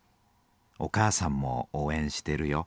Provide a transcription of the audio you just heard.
お母さんもおうえんしてるよ。